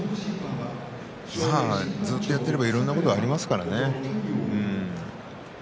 ずっとやっていればいろいろなことがありますからね。